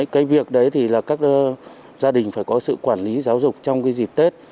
cái việc đấy thì là các gia đình phải có sự quản lý giáo dục trong cái dịp tết